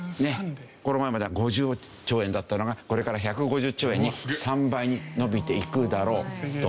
この前までは５０兆円だったのがこれから１５０兆円に３倍に伸びていくだろうと。